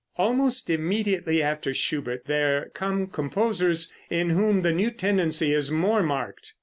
Almost immediately after Schubert there come composers in whom the new tendency is more marked.